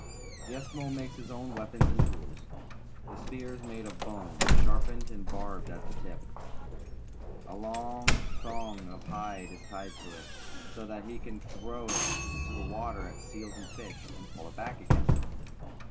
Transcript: The Eskimo makes his own weapons and tools. His spear is made of bone, sharpened and barbed at the tip. A long thong of liide is tied to it, so that he can throw it into the water at seals and fish, and pull it back again.